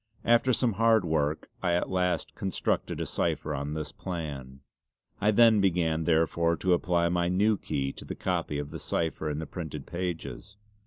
After some hard work I at last constructed a cipher on this plan. See Appendix D. I then began therefore to apply my new key to the copy of the cipher in the printed pages.